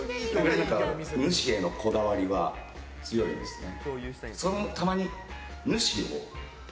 主へのこだわりは強いですね。